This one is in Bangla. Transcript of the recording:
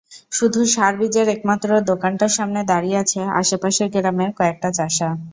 শুধু সার-বীজের একমাত্র দোকানটার সামনে দাঁড়িয়ে আছে আশপাশের গেরামের কয়েকটা চাষা।